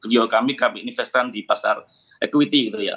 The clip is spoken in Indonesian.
dan ini juga sudah diperkenalkan di pasar equity gitu ya